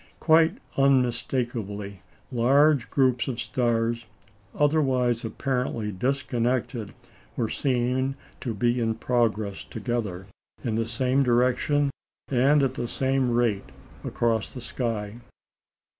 " Quite unmistakably, large groups of stars, otherwise apparently disconnected, were seen to be in progress together, in the same direction and at the same rate, across the sky.